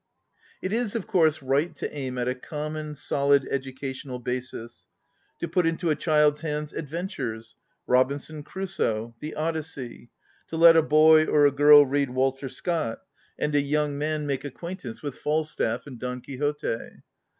It is of course right to aim at a conmion, solid educational basis, to put into a child's hands adventures, ŌĆö "Robinson Crusoe," the "Odys sey," ŌĆö to let a boy or a girl read "Walter Scott," and a young man ┬╗5 ON READING make acquaintance with "Falstaff " and " Don Quixote."